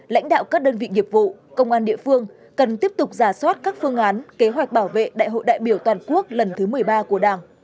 lãnh đạo các đơn vị nghiệp vụ công an địa phương cần tiếp tục giả soát các phương án kế hoạch bảo vệ đại hội đại biểu toàn quốc lần thứ một mươi ba của đảng